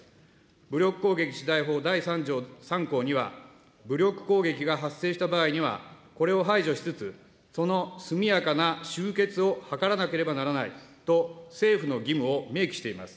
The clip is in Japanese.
武力攻撃事態法第３条３項には、武力攻撃が発生した場合には、これを排除しつつ、その速やかな終結を図らなければならないと政府の義務を明記しています。